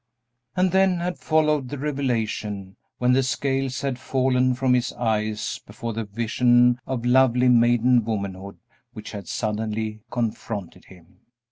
And then had followed the revelation, when the scales had fallen from his eyes before the vision of lovely maiden womanhood which had suddenly confronted him.